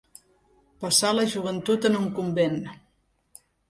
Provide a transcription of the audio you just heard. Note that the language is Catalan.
Passar la joventut en un convent.